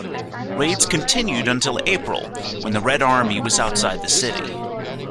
Raids continued until April, when the Red Army was outside the city.